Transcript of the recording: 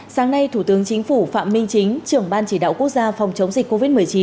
sáng nay thủ tướng chính phủ phạm minh chính trưởng ban chỉ đạo quốc gia phòng chống dịch covid một mươi chín